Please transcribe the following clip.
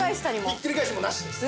ひっくり返しもなしです。